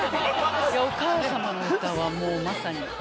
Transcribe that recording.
お母様の歌はもうまさに。